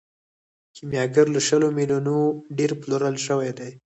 کیمیاګر له شلو میلیونو ډیر پلورل شوی دی.